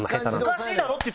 おかしいだろって！